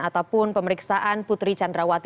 ataupun pemeriksaan putri candrawati